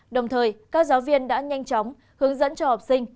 đồng thời các giáo viên đã nhanh chóng hướng dẫn cho học sinh